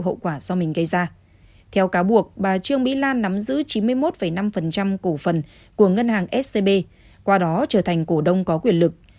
hậu quả do mình gây ra theo cáo buộc bà trương mỹ lan nắm giữ chín mươi một năm cổ phần của ngân hàng scb qua đó trở thành cổ đông có quyền lực